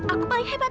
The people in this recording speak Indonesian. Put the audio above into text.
aku paling hebat